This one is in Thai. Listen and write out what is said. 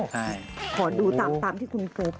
โหดูตามที่คุณเกิดสิ